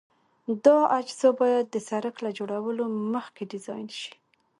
دا اجزا باید د سرک له جوړولو مخکې ډیزاین شي